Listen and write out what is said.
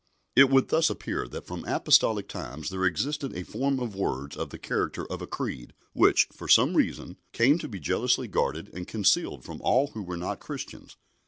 " It would thus appear that from Apostolic times there existed a form of words of the character of a creed, which, for some reason, came to be jealously guarded and concealed from all who were not Christians.